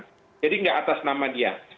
jadi tidak atas nama dia